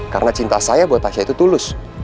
karena cinta saya buat tasya itu tulus